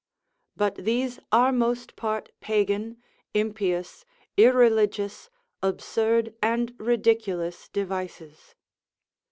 But these are most part Pagan, impious, irreligious, absurd, and ridiculous devices.